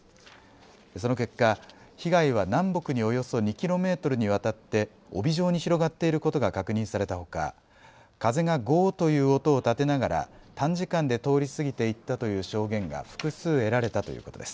その結果、被害は南北におよそ２ｋｍにわたって帯状に広がっていることが確認されたほか風がゴーという音を立てながら短時間で通り過ぎていったという証言が複数得られたということです。